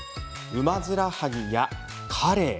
ウマヅラハギやカレイ